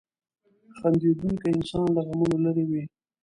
• خندېدونکی انسان له غمونو لرې وي.